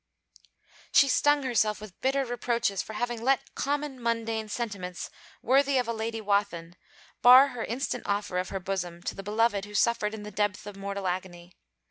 She stung herself with bitter reproaches for having let common mundane sentiments, worthy of a Lady Wathin, bar her instant offer of her bosom to the beloved who suffered in this depth of mortal agony.